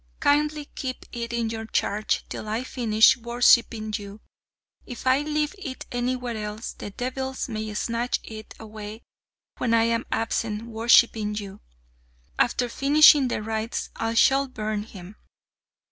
Kindly keep it in your charge till I finish worshipping you. If I leave it anywhere else the devils may snatch it away when I am absent worshipping you; after finishing the rites I shall burn him."